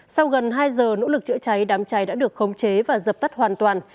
sau gần hai giờ nỗ lực chữa cháy đám cháy đã được khống chế và dập tắt hoàn toàn